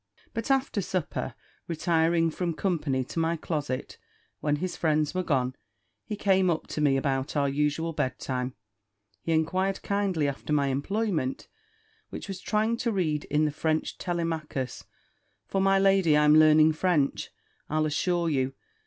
But after supper, retiring from company to my closet, when his friends were gone, he came up to me about our usual bedtime: he enquired kindly after my employment, which was trying to read in the French Telemachus: for, my lady, I'm learning French, I'll assure you!